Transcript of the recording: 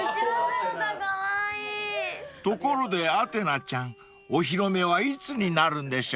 ［ところでアテナちゃんお披露目はいつになるんでしょうね？］